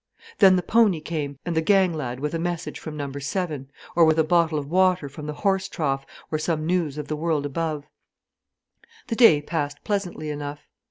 Then the pony came and the gang lad with a message from Number 7, or with a bottle of water from the horse trough or some news of the world above. The day passed pleasantly enough.